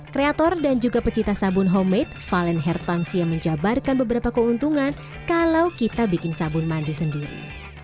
kreator dan juga pecinta sabun homemade valen hertansi yang menjabarkan beberapa keuntungan kalau kita bikin sabun mandi sendiri